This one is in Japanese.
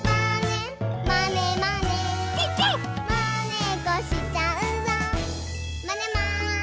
「まねっこしちゃうぞまねまねぽん！」